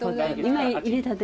今いれたて。